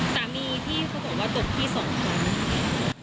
สามีที่เขาบอกว่าตบพี่สองครั้ง